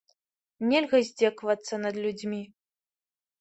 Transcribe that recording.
Нельга здзекавацца над людзьмі.